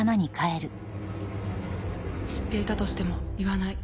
知っていたとしても言わない。